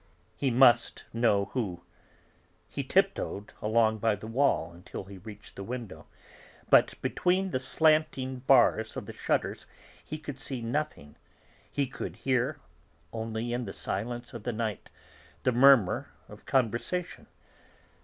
He must know who; he tiptoed along by the wall until he reached the window, but between the slanting bars of the shutters he could see nothing; he could hear, only, in the silence of the night, the murmur of conversation.